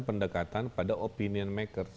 pendekatan pada opinion maker